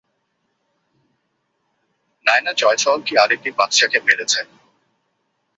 নায়না জয়সওয়াল কি আরেকটি বাচ্চাকে মেরেছে?